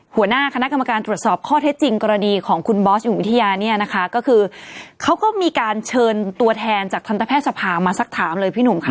หัวหน้าคณะกรรมการตรวจสอบข้อเท็จจริงกรณีของคุณบอสอยู่วิทยาเนี่ยนะคะก็คือเขาก็มีการเชิญตัวแทนจากทันตแพทย์สภามาสักถามเลยพี่หนุ่มค่ะ